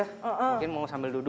mungkin mau sambil duduk